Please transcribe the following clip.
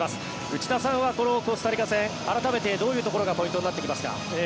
内田さんはこのコスタリカ戦改めてどういうところがポイントになってきますか。